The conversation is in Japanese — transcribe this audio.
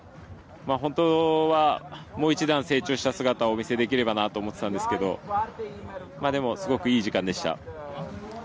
本当は、もう一段成長した姿をお見せできればなと思ってたんですけどでも、すごくいい時間でした。